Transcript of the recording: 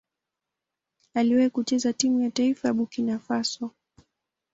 Aliwahi kucheza timu ya taifa ya Burkina Faso.